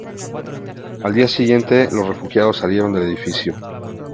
Al día siguiente, los refugiados salieron del edificio.